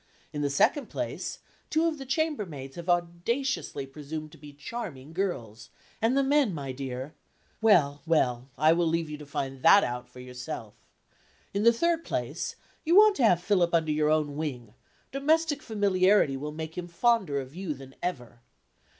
In the second place, two of the chambermaids have audaciously presumed to be charming girls; and the men, my dear well! well! I will leave you to find that out for yourself. In the third place, you want to have Philip under your own wing; domestic familiarity will make him fonder of you than ever.